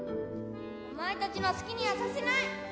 ・お前達の好きにはさせない